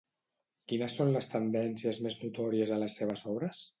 Quines són les tendències més notòries a les seves obres?